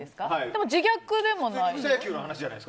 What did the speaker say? でも自虐じゃない？